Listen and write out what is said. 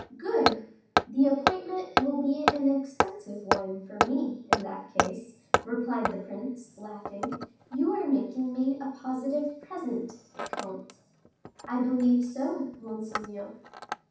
"Good! the appointment will be an expensive one for me, in that case," replied the prince, laughing. "You are making me a positive present, comte." "I believe so, monseigneur."